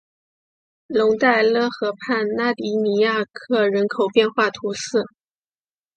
龙代勒河畔拉迪尼亚克人口变化图示